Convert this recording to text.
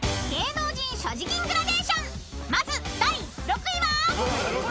［まず第６位は］